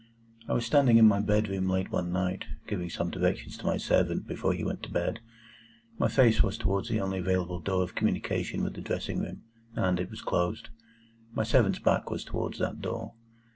I was standing in my bedroom late one night, giving some directions to my servant before he went to bed. My face was towards the only available door of communication with the dressing room, and it was closed. My servant's back was towards that door.